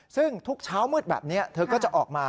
ซึ่งทุกเช้ามืดแบบนี้เธอก็จะออกมา